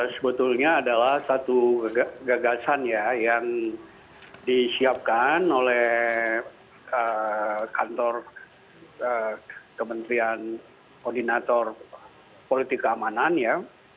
sebetulnya adalah satu gagasan ya yang disiapkan oleh kantor kementerian koordinator politik keamanan ya